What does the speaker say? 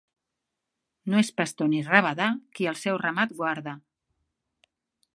No és pastor ni rabadà qui el seu ramat guarda.